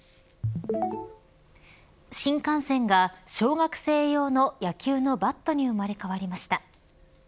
新幹線が小学生用の野球のバットに生まれ変わりました。